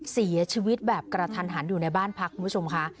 เสียชีวิตแบบกระทันหันอยู่ในบ้านพักคุณผู้ชมค่ะ